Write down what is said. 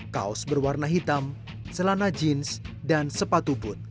kaos berwarna hitam selana jeans dan sepatu boot